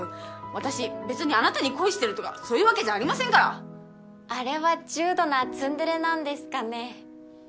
私別にあなたに恋してるとかそういうわけじゃありませんからあれは重度なツンデレなんですかね